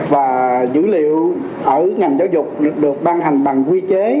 và dữ liệu ở ngành giáo dục được ban hành bằng quy chế